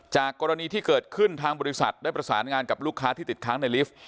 กรณีที่เกิดขึ้นทางบริษัทได้ประสานงานกับลูกค้าที่ติดค้างในลิฟต์